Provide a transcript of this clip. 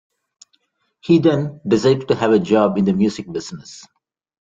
He then decided to have a job in the music business.